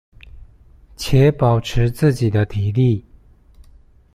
且保持自己的體力